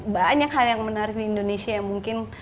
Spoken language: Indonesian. banyak hal yang menarik di indonesia yang mungkin